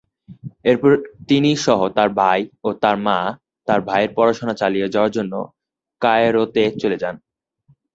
এরপর তিনি সহ তার ভাই ও তার মা তার ভাইয়ের পড়াশোনা চালিয়ে যাওয়ার জন্য কায়রোতে চলে যান।